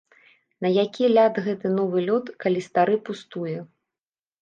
На які ляд гэты новы лёд, калі стары пустуе?